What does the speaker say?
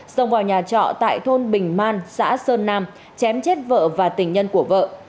xông vào nhà trọ tại thôn bình man xã sơn nam chém chết vợ và tình nhân của vợ